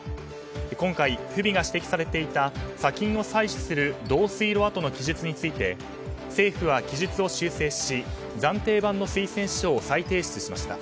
今回、不備が指摘されていた砂金を採取する導水路の記述について政府は記述を修正し暫定版の推薦書を再提出しました。